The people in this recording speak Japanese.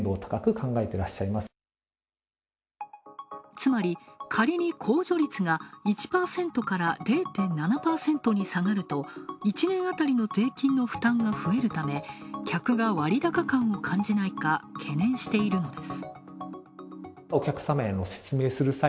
つまり、仮に控除率が１％から０．７％に下がると１年あたりの税金の負担が増えるため客が割高感を感じないか懸念しているのです。